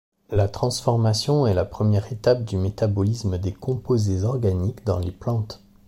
La transformation est la première étape du métabolisme des composés organiques dans les plantes.